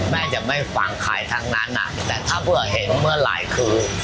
แม่จะไม่ฟังใครทั้งนั้นแต่ถ้าเผื่อเห็นเมื่อไหร่คือ